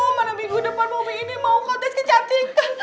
aduh mana minggu depan bomi ini mau kantes kecantikan